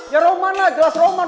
ya rohman lah jelas roman